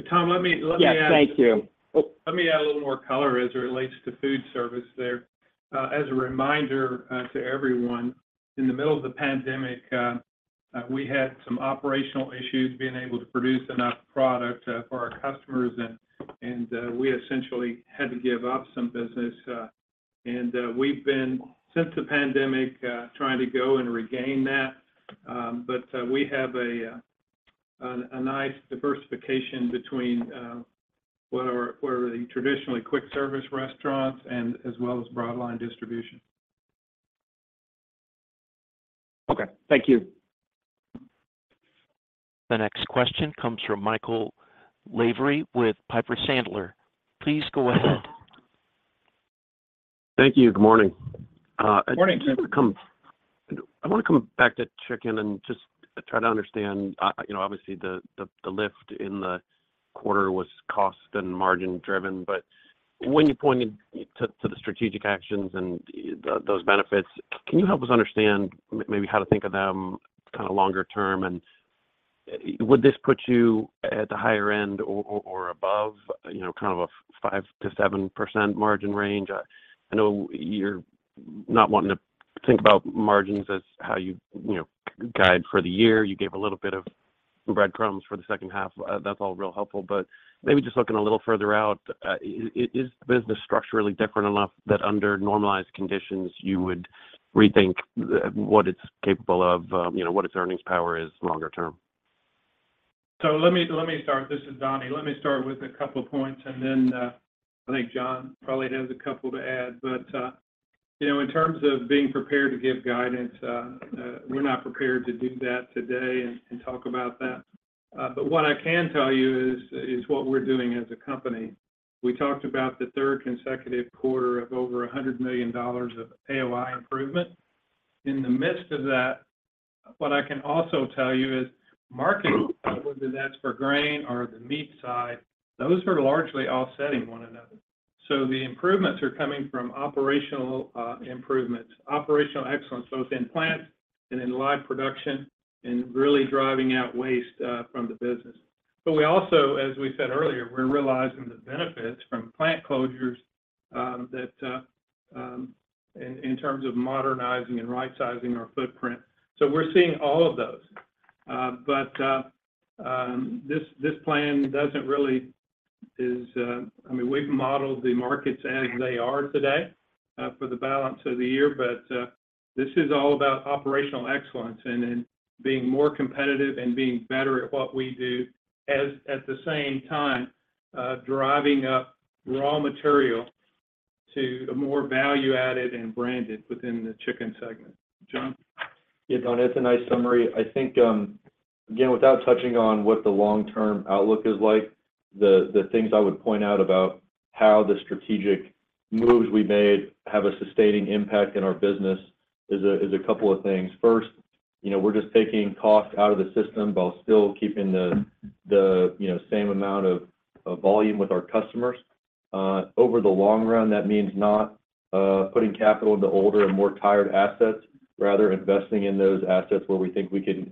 Tom, let me add- Yes, thank you. Let me add a little more color as it relates to food service there. As a reminder, to everyone, in the middle of the pandemic, we had some operational issues being able to produce enough product for our customers, and we essentially had to give up some business, and we've been since the pandemic trying to go and regain that. But we have a nice diversification between where the traditionally quick service restaurants and as well as broadline distribution. Okay. Thank you. The next question comes from Michael Lavery with Piper Sandler. Please go ahead. Thank you. Good morning. Good morning, Jim. I want to come—I want to come back to chicken and just try to understand, you know, obviously, the lift in the quarter was cost and margin-driven, but when you pointed to the strategic actions and those benefits, can you help us understand maybe how to think of them kind of longer term? And, would this put you at the higher end or above, you know, kind of a 5%-7% margin range? I know you're not wanting to think about margins as how you, you know, guide for the year. You gave a little bit of breadcrumbs for the second half. That's all real helpful, but maybe just looking a little further out, is the business structurally different enough that under normalized conditions, you would rethink what it's capable of, you know, what its earnings power is longer term? So let me start. This is Donnie. Let me start with a couple of points, and then, I think John probably has a couple to add. But, you know, in terms of being prepared to give guidance, we're not prepared to do that today and talk about that. But what I can tell you is what we're doing as a company. We talked about the third consecutive quarter of over $100 million of AOI improvement. In the midst of that, what I can also tell you is markets, whether that's for grain or the meat side, those are largely offsetting one another. So the improvements are coming from operational improvements, operational excellence, both in plant and in live production, and really driving out waste from the business. But we also, as we said earlier, we're realizing the benefits from plant closures that in terms of modernizing and right-sizing our footprint. So we're seeing all of those. But this plan doesn't really is. I mean, we've modeled the markets as they are today for the balance of the year, but this is all about operational excellence and being more competitive and being better at what we do, at the same time driving up raw material to a more value added and branded within the chicken segment. John? Yeah, Don, it's a nice summary. I think, again, without touching on what the long-term outlook is like, the things I would point out about how the strategic moves we made have a sustaining impact in our business is a couple of things. First, you know, we're just taking cost out of the system while still keeping the, you know, same amount of volume with our customers. Over the long run, that means not putting capital into older and more tired assets, rather, investing in those assets where we think we can,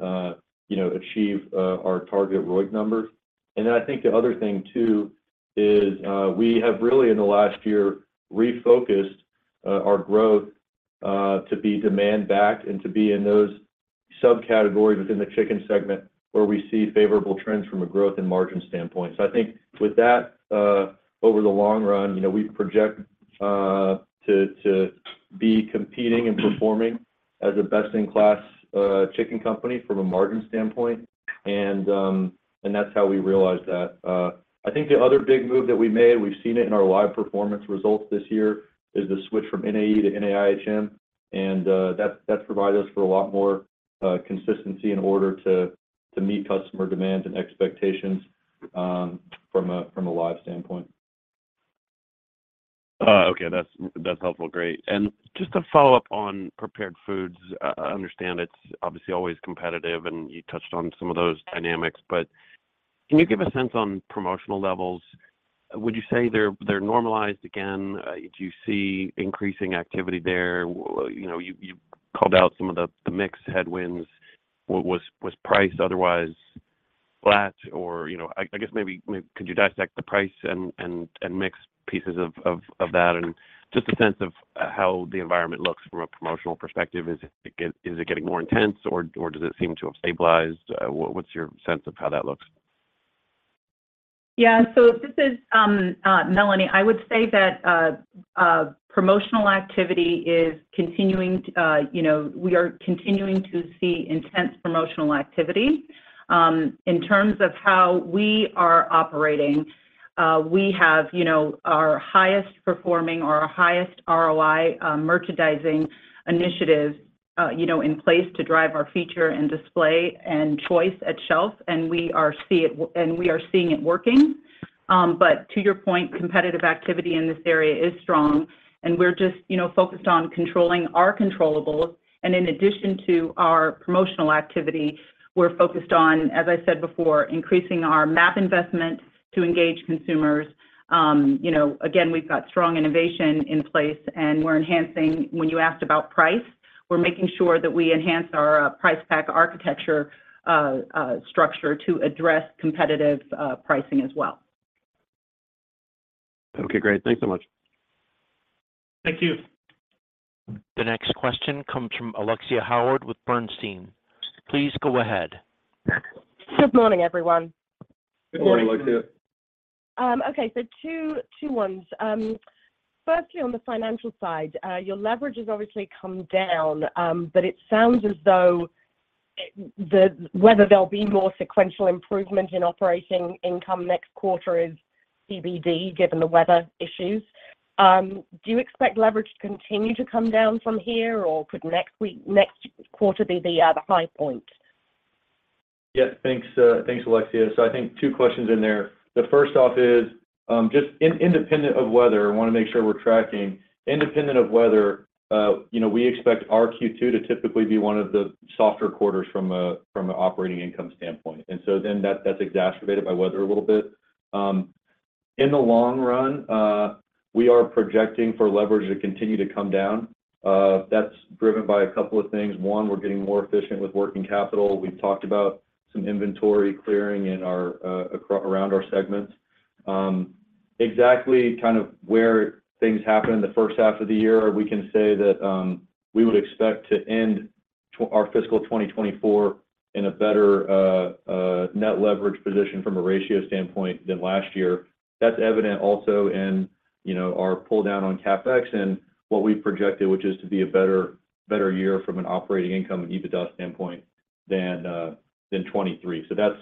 you know, achieve our target ROIC numbers. And then I think the other thing, too, is, we have really, in the last year, refocused, our growth, to be demand-backed and to be in those subcategories within the chicken segment, where we see favorable trends from a growth and margin standpoint. So I think with that, over the long run, you know, we project, to, to be competing and performing as a best-in-class, chicken company from a margin standpoint, and, and that's how we realize that. I think the other big move that we made, we've seen it in our live performance results this year, is the switch from NAE to NAIHM, and, that, that provided us with a lot more, consistency in order to, to meet customer demands and expectations, from a, from a live standpoint. Okay, that's, that's helpful. Great. And just to follow up on Prepared Foods, I understand it's obviously always competitive, and you touched on some of those dynamics, but can you give a sense on promotional levels? Would you say they're, they're normalized again? Do you see increasing activity there? Well, you know, you called out some of the mix headwinds. What was price otherwise flat or... You know, I guess maybe could you dissect the price and mix pieces of that and just a sense of how the environment looks from a promotional perspective? Is it getting more intense or does it seem to have stabilized? What's your sense of how that looks? Yeah. So this is Melanie. I would say that promotional activity is continuing. You know, we are continuing to see intense promotional activity. In terms of how we are operating, we have, you know, our highest performing or our highest ROI merchandising initiatives, you know, in place to drive our feature and display and choice at shelf, and we are seeing it working. But to your point, competitive activity in this area is strong, and we're just, you know, focused on controlling our controllables. And in addition to our promotional activity, we're focused on, as I said before, increasing our math investment to engage consumers. You know, again, we've got strong innovation in place, and we're enhancing... When you asked about price, we're making sure that we enhance our price pack architecture structure to address competitive pricing as well.... Okay, great. Thanks so much. Thank you. The next question comes from Alexia Howard with Bernstein. Please go ahead. Good morning, everyone. Good morning, Alexia. Okay, so two, two ones. Firstly, on the financial side, your leverage has obviously come down, but it sounds as though whether there'll be more sequential improvement in operating income next quarter is CBD, given the weather issues. Do you expect leverage to continue to come down from here, or could next week, next quarter be the, the high point? Yes. Thanks, thanks, Alexia. So I think two questions in there. The first off is, just independent of weather, I wanna make sure we're tracking. Independent of weather, you know, we expect our Q2 to typically be one of the softer quarters from an operating income standpoint, and so then that, that's exacerbated by weather a little bit. In the long run, we are projecting for leverage to continue to come down. That's driven by a couple of things. One, we're getting more efficient with working capital. We've talked about some inventory clearing in our around our segments. Exactly kind of where things happen in the first half of the year, we can say that, we would expect to end tw... Our fiscal 2024 in a better net leverage position from a ratio standpoint than last year. That's evident also in, you know, our pull-down on CapEx and what we've projected, which is to be a better, better year from an operating income and EBITDA standpoint than 2023. So that's...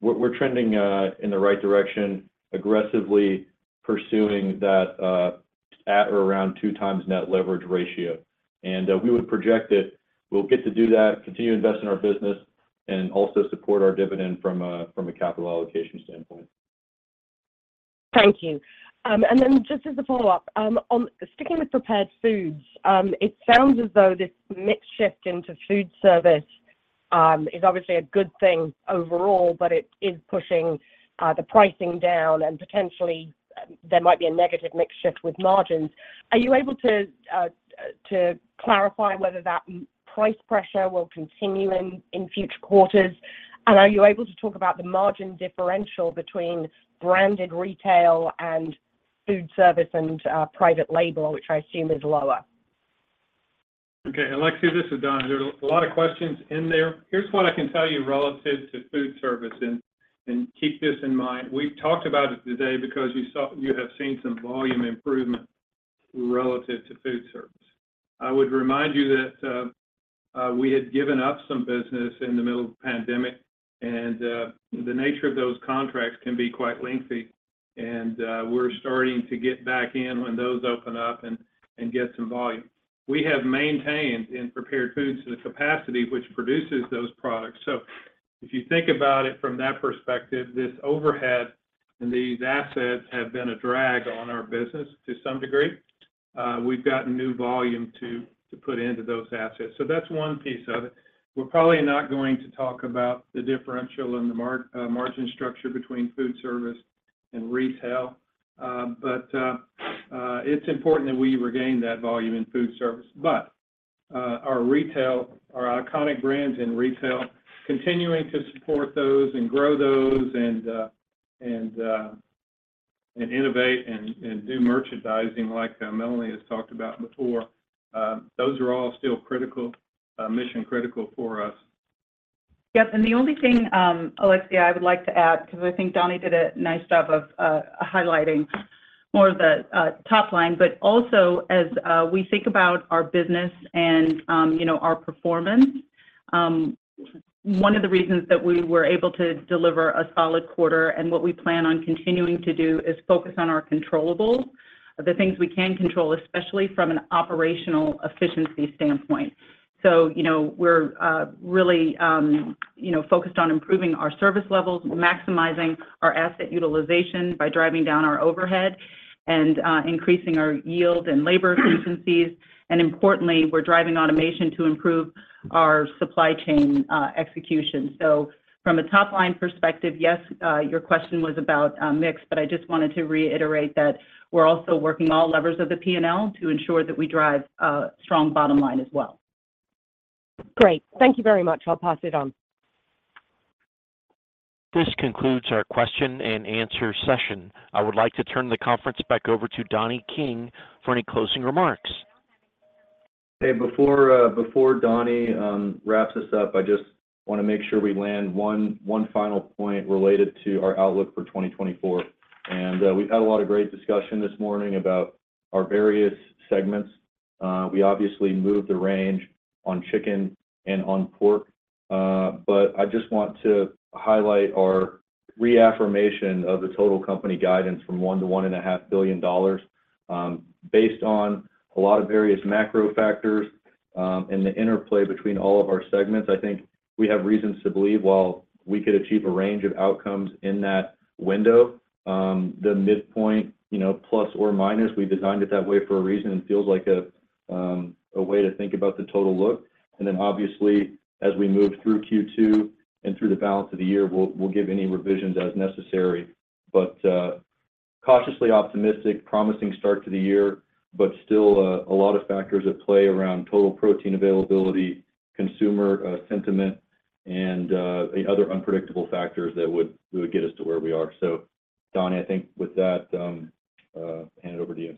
We're, we're trending in the right direction, aggressively pursuing that at or around 2x net leverage ratio. And we would project that we'll get to do that, continue to invest in our business, and also support our dividend from a capital allocation standpoint. Thank you. And then just as a follow-up, on sticking with prepared foods, it sounds as though this mix shift into food service is obviously a good thing overall, but it is pushing the pricing down, and potentially, there might be a negative mix shift with margins. Are you able to to clarify whether that price pressure will continue in future quarters? And are you able to talk about the margin differential between branded retail and food service and private label, which I assume is lower? Okay, Alexia, this is Donnie. There are a lot of questions in there. Here's what I can tell you relative to food service, and keep this in mind. We've talked about it today because you saw you have seen some volume improvement relative to food service. I would remind you that we had given up some business in the middle of the pandemic, and the nature of those contracts can be quite lengthy, and we're starting to get back in when those open up and get some volume. We have maintained in prepared foods, the capacity which produces those products. So if you think about it from that perspective, this overhead and these assets have been a drag on our business to some degree. We've gotten new volume to put into those assets, so that's one piece of it. We're probably not going to talk about the differential and the margin structure between food service and retail, but it's important that we regain that volume in food service. But our retail, our iconic brands in retail, continuing to support those and grow those and innovate and do merchandising like Melanie has talked about before, those are all still critical, mission critical for us. Yep, and the only thing, Alexia, I would like to add, because I think Donnie did a nice job of highlighting more of the top line, but also as we think about our business and, you know, our performance, one of the reasons that we were able to deliver a solid quarter and what we plan on continuing to do is focus on our controllables, the things we can control, especially from an operational efficiency standpoint. So, you know, we're really, you know, focused on improving our service levels, maximizing our asset utilization by driving down our overhead, and increasing our yield and labor efficiencies, and importantly, we're driving automation to improve our supply chain execution. From a top-line perspective, yes, your question was about mix, but I just wanted to reiterate that we're also working all levers of the P&L to ensure that we drive a strong bottom line as well. Great. Thank you very much. I'll pass it on. This concludes our question and answer session. I would like to turn the conference back over to Donnie King for any closing remarks. Hey, before Donnie wraps this up, I just wanna make sure we land one final point related to our outlook for 2024. And we've had a lot of great discussion this morning about our various segments. We obviously moved the range on chicken and on pork, but I just want to highlight our reaffirmation of the total company guidance from $1 billion to $1.5 billion. Based on a lot of various macro factors, and the interplay between all of our segments, I think we have reasons to believe, while we could achieve a range of outcomes in that window, the midpoint, you know, plus or minus, we designed it that way for a reason, and feels like a way to think about the total look. And then, obviously, as we move through Q2 and through the balance of the year, we'll give any revisions as necessary. But cautiously optimistic, promising start to the year, but still a lot of factors at play around total protein availability, consumer sentiment, and the other unpredictable factors that would get us to where we are. So Donnie, I think with that, hand it over to you.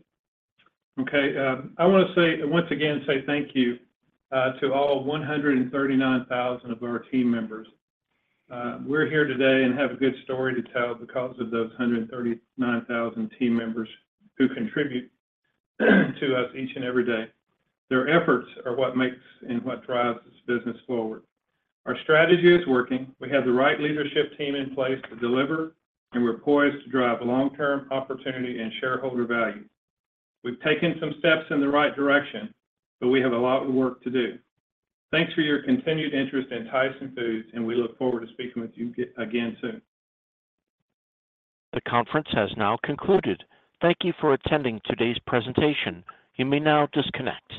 Okay, I wanna say once again, say thank you to all 139,000 of our team members. We're here today and have a good story to tell because of those 139,000 team members who contribute to us each and every day. Their efforts are what makes and what drives this business forward. Our strategy is working. We have the right leadership team in place to deliver, and we're poised to drive long-term opportunity and shareholder value. We've taken some steps in the right direction, but we have a lot of work to do. Thanks for your continued interest in Tyson Foods, and we look forward to speaking with you again soon. The conference has now concluded. Thank you for attending today's presentation. You may now disconnect.